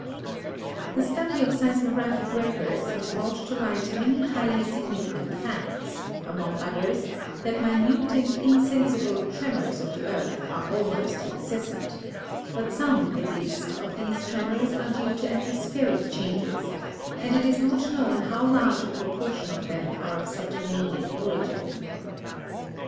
Fig. 12 — E. Western Hemisphere. The study of seismographic records has brought to light many highly significant facts, among others that minute and insensible 'tremors' of the earth are almost incessant, but some, at least, of these tremors are due to atmos pheric changes, and it is not known how large a propor tion of them are of subterranean origin.